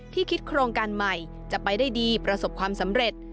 คิดโครงการใหม่จะไปได้ดีประสบความสำเร็จ